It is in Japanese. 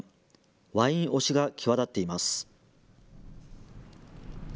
ワイン推しが際立っています。